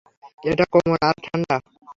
এটা কোমল, আর ঠান্ডা।